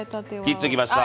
切っときました！